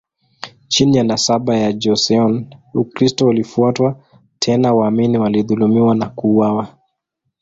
Chini ya nasaba ya Joseon, Ukristo ulifutwa, tena waamini walidhulumiwa na kuuawa.